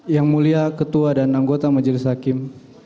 yang mulia ketua dan anggota majelis hakim